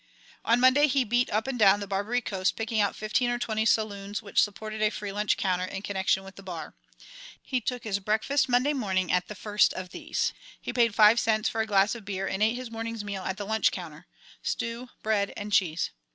On Monday he beat up and down the Barbary Coast, picking out fifteen or twenty saloons which supported a free lunch counter in connection with the bar. He took his breakfast Monday morning at the first of these. He paid five cents for a glass of beer and ate his morning's meal at the lunch counter: stew, bread, and cheese.